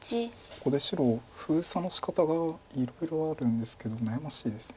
ここで白封鎖のしかたがいろいろあるんですけど悩ましいです。